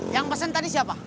yang pesen tadi siapa